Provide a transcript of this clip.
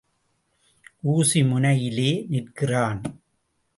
ஊசி முனையிலே நிற்கிறான்.